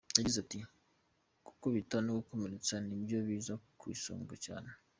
Yagize ati "Gukubita no gukomeretsa nibyo biza ku isonga cyane .